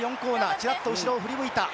チラッと後ろを振り向いた。